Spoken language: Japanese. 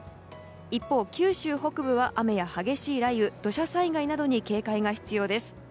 一方、九州北部は雨や激しい雷雨土砂災害などに警戒が必要です。